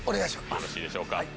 よろしいでしょうか